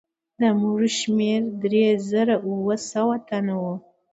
د مړو شمېر درې زره اووه سوه تنه وو.